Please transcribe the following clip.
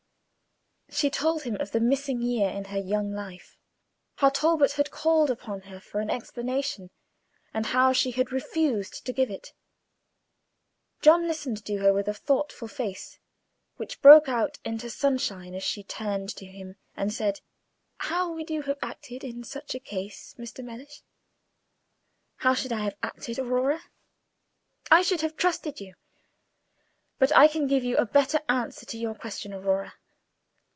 She told him of the missing year in her young life; how Talbot had called upon her for an explanation, and how she had refused to give it. John listened to her with a thoughtful face, which broke out into sunshine as she turned to him and said, "How would you have acted in such a case, Mr. Mellish?" "How should I have acted, Aurora? I Page 54 should have trusted you. But I can give you a better answer to your question, Aurora.